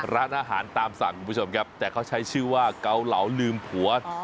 ร้านอาหารตามสัญคุณผู้ชมก็ใช้ชื่อว่าเกาเหลาลืมผัว